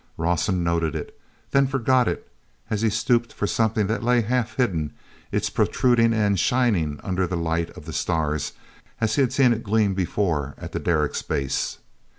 Rawson noted it, then forgot it as he stooped for something that lay half hidden, its protruding end shining under the light of the stars, as he had seen it gleam before at the derrick's base.